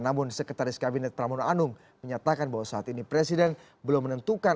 namun sekretaris kabinet pramono anung menyatakan bahwa saat ini presiden belum menentukan